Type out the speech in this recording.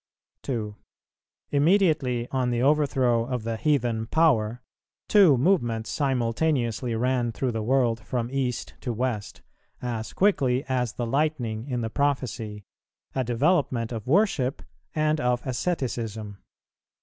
2. Immediately on the overthrow of the heathen power, two movements simultaneously ran through the world from East to West, as quickly as the lightning in the prophecy, a development of worship and of asceticism.